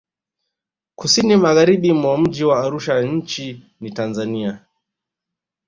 Kusini Magharibi mwa mji wa Arusha nchi ni Tanzania